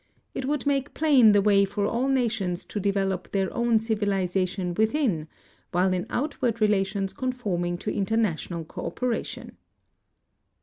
It would make plain the way for all nations to develop their own civilization within, while in outward relations conforming to international cooperation.